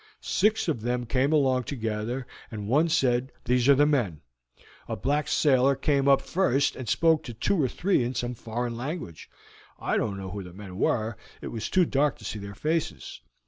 Six of them came along together, and one said, 'These are the men.' A black sailor came up first and spoke to two or three men in some foreign language. I don't know who the men were; it was too dark to see their faces.